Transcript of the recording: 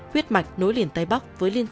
huyết mạch nối liền tây bắc